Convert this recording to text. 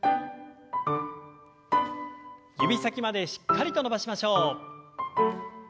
指先までしっかりと伸ばしましょう。